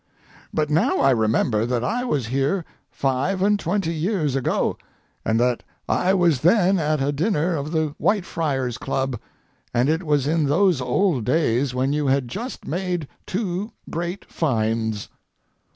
But now I remember that I was here five and twenty years ago, and that I was then at a dinner of the Whitefriars Club, and it was in those old days when you had just made two great finds.